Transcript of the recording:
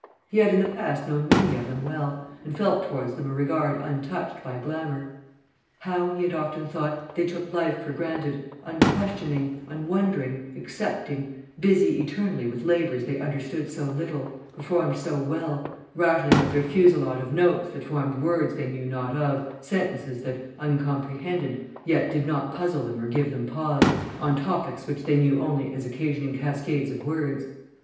He had in the past known many of them well, and felt towards them a regard untouched by glamour. How, he had often thought, they took life for granted, unquestioning, unwondering, accepting, busy eternally with labours they understood so little, performed so well, rattling out their fusillade of notes that formed words they knew not of, sentences that, uncomprehended, yet did not puzzle them or give them pause, on topics which they knew only as occasioning cascades of words.